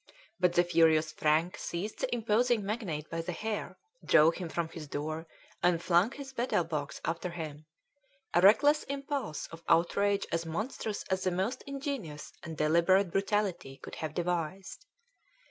But the "furious Frank" seized the imposing magnate by the hair, drove him from his door, and flung his betel box after him, a reckless impulse of outrage as monstrous as the most ingenious and deliberate brutality could have devised.